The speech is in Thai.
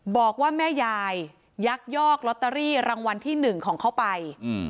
บอกว่าแม่ยายยักยอกลอตเตอรี่รางวัลที่๑ของเขาไป